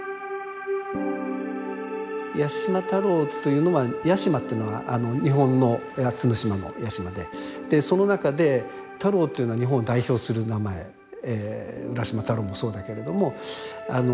八島太郎というのは八島っていうのが日本の八つの島の八洲でその中で太郎というのは日本を代表する名前浦島太郎もそうだけれどもあの太郎をくっつけると。